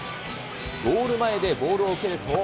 ゴール前でボールを受けると。